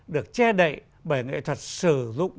được che đậy bởi nghệ thuật sử dụng